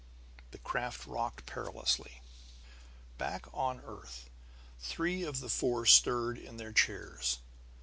The craft rocked perilously. Back on the earth, three of the four stirred in their chairs.